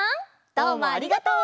どうもありがとう！